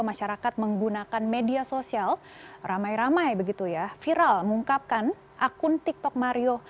masyarakat menggunakan media sosial ramai ramai begitu ya viral mengungkapkan akun tiktok mario